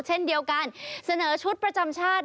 เช่นเดียวกันเสนอชุดประจำชาติ